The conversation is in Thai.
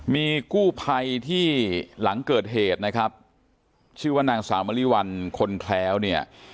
มีกู้ภัยที่หลังเกิดเหตุนะครับชื่อว่านางสาวมริวัลคนแคล้วเนี่ย